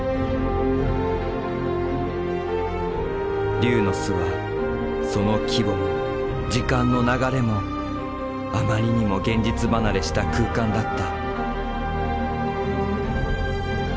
龍の巣はその規模も時間の流れもあまりにも現実離れした空間だった。